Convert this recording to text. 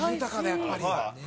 やっぱり。